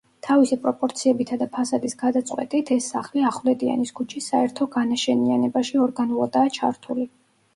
თავისი პროპორციებითა და ფასადის გადაწყვეტით ეს სახლი ახვლედიანის ქუჩის საერთო განაშენიანებაში ორგანულადაა ჩართული.